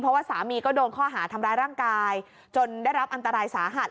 เพราะว่าสามีก็โดนข้อหาทำร้ายร่างกายจนได้รับอันตรายสาหัส